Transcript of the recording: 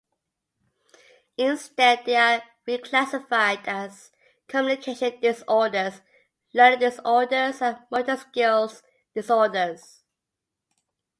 Instead they are reclassified as communication disorders, learning disorders, and motor skills disorders.